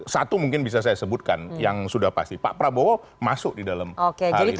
satu mungkin bisa saya sebutkan yang sudah pasti pak prabowo masuk di dalam hal itu